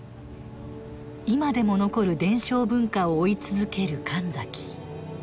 今でも残る伝承文化を追い続ける神崎。